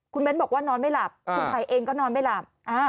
คุณเบ้นบอกว่านอนไม่หลับคุณไผ่เองก็นอนไม่หลับ